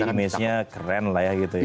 jadi image nya keren lah ya gitu ya